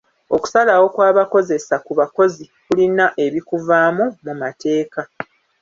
Okusalawo kw'abakozesa ku bakozi kulina ebikuvaamu mu mateeka.